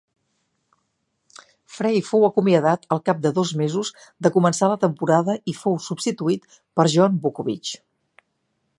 Frey fou acomiadat al cap de dos mesos de començar la temporada i fou substituït per John Vukovich.